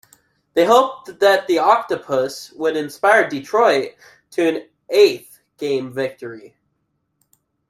They hoped that the octopus would inspire Detroit to an eighth game victory.